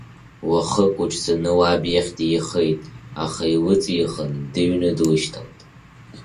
Уахык лыҽӡаны лаб иахь деихеит, аха илыҵихын, дыҩны длышьҭалт.